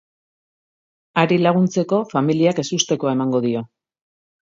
Hari laguntzeko, familiak ezustekoa emango dio.